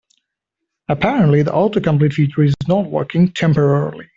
Apparently, the autocomplete feature is not working temporarily.